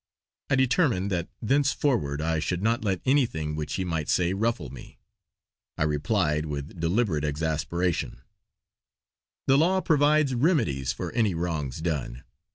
I determined that thenceforward I should not let anything which he might say ruffle me. I replied with deliberate exasperation: "The law provides remedies for any wrongs done.